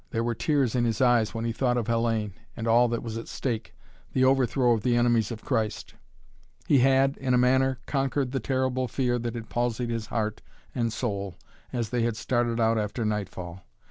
There were tears in his eyes when he thought of Hellayne and all that was at stake, the overthrow of the enemies of Christ. He had, in a manner, conquered the terrible fear that had palsied heart and soul as they had started out after nightfall.